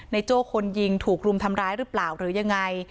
โจ้คนยิงถูกรุมทำร้ายหรือเปล่าหรือยังไง